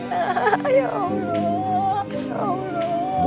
pulang kamu pulang ya allah